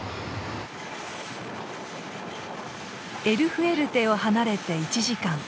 エル・フエルテを離れて１時間。